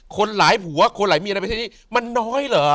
คนหลายผัวคนหลายเมียในประเทศนี้มันน้อยเหรอ